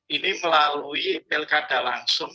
ini melalui pilkada langsung